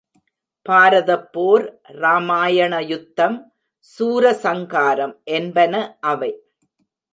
பாரதப்போர், ராமாயண யுத்தம், சூரசங்காரம் என்பன அவை.